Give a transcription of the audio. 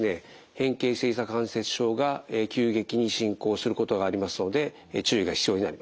変形性ひざ関節症が急激に進行することがありますので注意が必要になります。